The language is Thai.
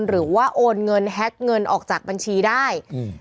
หรือว่าโอนเงินแฮ็กเงินออกจากบัญชีได้